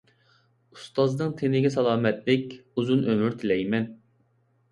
ئۇستازنىڭ تېنىگە سالامەتلىك، ئۇزۇن ئۆمۈر تىلەيمەن.